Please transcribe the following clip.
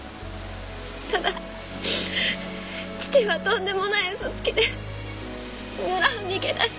ただ父はとんでもない嘘つきで村を逃げ出して。